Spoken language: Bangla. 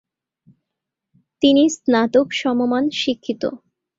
তিনি স্নাতক সমমান শিক্ষিত।